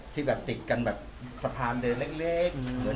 ที่แบบติดกันแบบสะพานเดินเล็ก